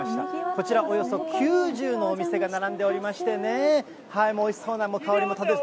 こちらおよそ９０のお店が並んでおりましてね、おいしそうな香りも漂って。